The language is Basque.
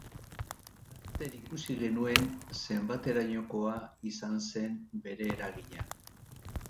Laster ikusi genuen zenbaterainokoa izan zen bere eragina